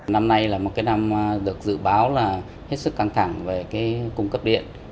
năm hai nghìn hai mươi là một cái năm được dự báo là hết sức căng thẳng về cái cung cấp điện